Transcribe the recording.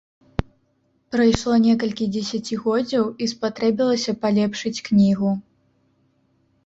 Прайшло некалькі дзесяцігоддзяў, і спатрэбілася палепшыць кнігу.